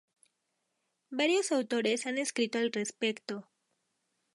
Varios autores han escrito al respecto.